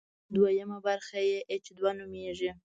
دویمه برخه چې اېچ دوه نومېږي.